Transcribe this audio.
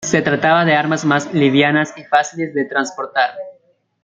Se trataba de armas más livianas y fáciles de transportar.